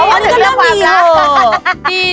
อ๋ออันนี้ก็น่าดีหรอ